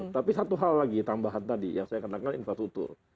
tapi satu hal lagi tambahan tadi yang saya katakan infrastruktur